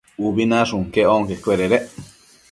Ubi nashun quec onquecuededec